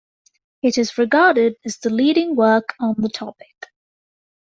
It is regarded as the leading work on the topic.